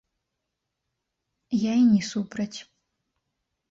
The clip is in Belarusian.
Я і не супраць.